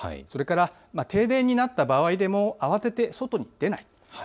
それから停電になった場合でも、慌てて外に出ない。